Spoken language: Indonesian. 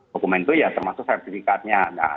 dokumen itu ya termasuk sertifikatnya